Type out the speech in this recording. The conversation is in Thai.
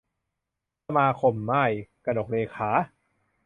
สมาคมม่าย - กนกเรขา